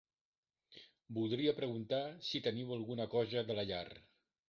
Voldria preguntar si teniu alguna cosa de la llar.